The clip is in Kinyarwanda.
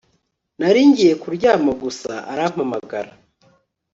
Nari ngiye kuryama gusa arampamagara